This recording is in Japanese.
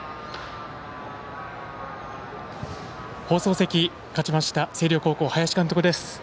放送席、勝ちました星稜高校林監督です。